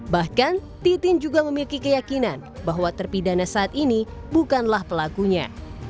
bahkan titin juga memiliki keyakinan bahwa terpidana saat ini bukanlah pelakunya